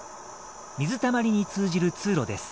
水たまりに通じる通路です。